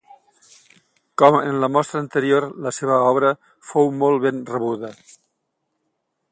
Com en la mostra anterior, la seva obra fou molt ben rebuda.